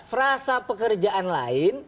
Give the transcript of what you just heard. frasa pekerjaan lain